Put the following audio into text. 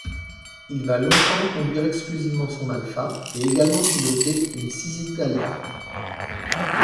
Il va longtemps conduire exclusivement son Alfa et également piloter une Cisitalia.